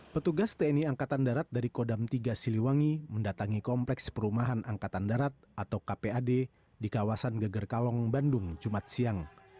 petugas tni angkatan darat dari kodam tiga siliwangi mendatangi kompleks perumahan angkatan darat atau kpad di kawasan gegerkalong bandung jumat siang